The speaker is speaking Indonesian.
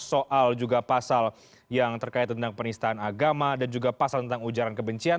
soal juga pasal yang terkait tentang penistaan agama dan juga pasal tentang ujaran kebencian